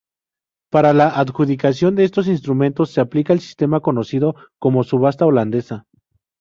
Para la adjudicación de estos instrumentos se aplica el sistema conocido como subasta holandesa.